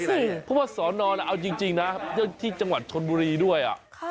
เพราะว่าสอนอนเอาจริงนะที่จังหวัดชนบุรีด้วย